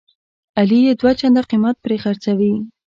علي یې دوه چنده قیمت پرې خرڅوي.